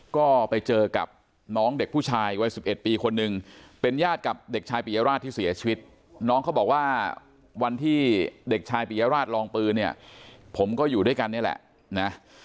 ก็ไปเจอกับน้องเด็กผู้ชายวัย๑๑ปีคนนึงเป็นญาติกับเด็กชายปิยราชที่เสียชีวิตน้องเขาบอกว่าวันที่เด็กชายปิยราชลองปืนเนี่ยผมก็อยู่ด้วยกันนี่แหละนะ